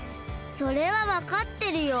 それはわかってるよ。